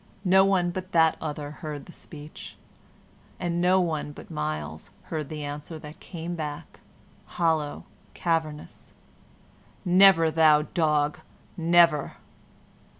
No one but that other heard the speech, and no one but Myles heard the answer that came back, hollow, cavernous, "Never, thou dog! Never!"